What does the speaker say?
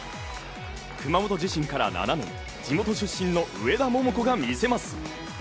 熊本地震から７年地元出身の上田桃子が魅せます。